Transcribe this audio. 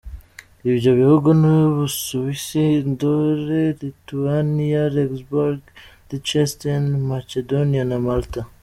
Ibyo bihugu ni u Busuwisi, Andorre, Lituania, Luxembourg, Liechtenstein, Macedonia na Malta.